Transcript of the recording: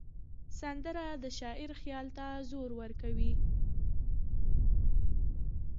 سندره د شاعر خیال ته وزر ورکوي